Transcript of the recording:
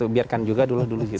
biar kan juga dulu dulu gitu